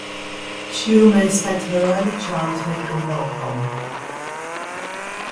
Chiume spent her early childhood in Welkom.